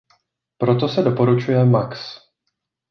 Proto se doporučuje max.